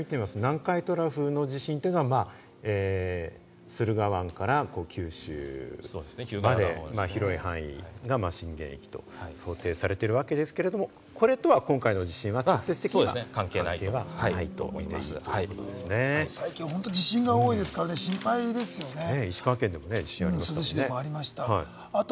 南海トラフの地震というのは駿河湾から九州まで広い範囲が震源域と想定されているわけですけど、これでは今回の地震は直接的には関係ないという最近、本当に地震が多いので石川県でも地震ありましたし。